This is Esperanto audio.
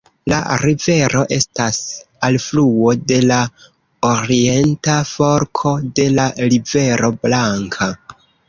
La rivero estas alfluo de la orienta forko de la Rivero Blanka.